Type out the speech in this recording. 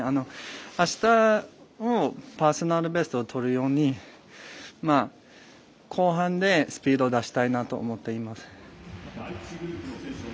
あしたもパーソナルベストをとるように、後半でスピード出したいなと思っています。